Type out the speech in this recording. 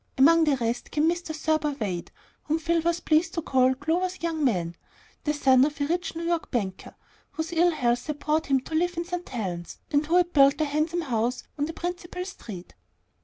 Among the rest came Mr. Thurber Wade, whom Phil was pleased to call Clover's young man, the son of a rich New York banker, whose ill health had brought him to live in St. Helen's, and who had built a handsome house on the principal street.